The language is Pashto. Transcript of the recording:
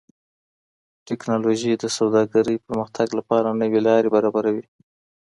ټکنالوژي د سوداګرۍ پرمختګ لپاره نوې لارې برابروي.